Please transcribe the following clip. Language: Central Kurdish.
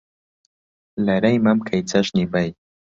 لەرەی مەمکەی چەشنی بەی